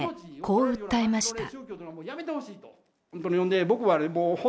こう訴えました。